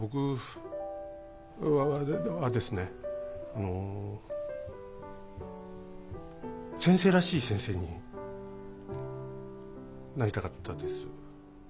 あの先生らしい先生になりたかったです。